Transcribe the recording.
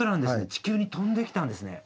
地球に飛んできたんですね。